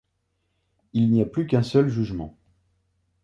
Il n'y a plus qu'un seul jugement.